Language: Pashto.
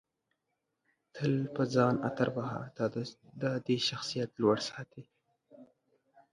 تل په ځان عطر وهه دادی شخصیت لوړ ساتي